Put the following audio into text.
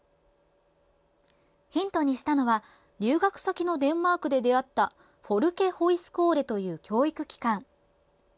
ヒントにしたのは留学先のデンマークで出会ったフォルケホイスコーレという教育機関。